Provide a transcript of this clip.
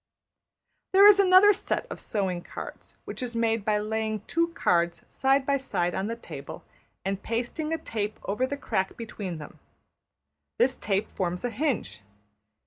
There is another set of sewing cards which is made by laying two cards side by side on the table and pasting a tape over the crack between them. This tape forms a hinge.